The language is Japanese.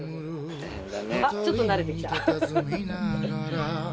ちょっと慣れてきた。